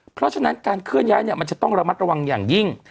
เพราะฉะนั้นการเคลื่อนย้ายเนี่ยมันจะต้องระมัดระวังอย่างยิ่ง